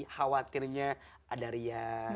khawatirnya ada riak